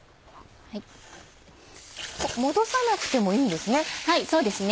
戻さなくてもいいんですね。